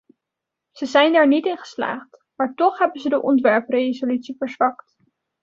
Ze zijn daar niet in geslaagd, maar toch hebben ze de ontwerpresolutie verzwakt.